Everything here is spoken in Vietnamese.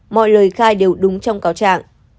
mọi lời khai đều đúng trong cao trạng